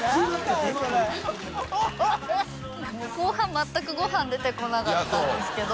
緘全くご飯出てこなかったんですけど。